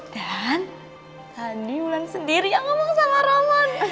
dan tadi ulan sendiri yang ngomong sama roman